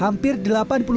langsung ke kebun kayak gitu